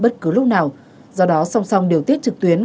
từ lúc nào do đó song song điều tiết trực tuyến